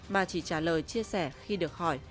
mà chỉ trả lời chia sẻ khi được hỏi